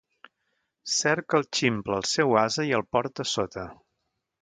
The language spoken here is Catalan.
Cerca el ximple el seu ase i el porta sota.